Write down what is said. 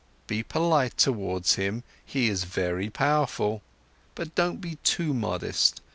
Be polite towards him, he is very powerful. But don't be too modest!